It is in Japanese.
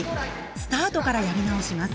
スタートからやり直します。